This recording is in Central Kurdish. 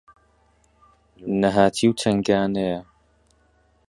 نەهاتی و تەنگانەیە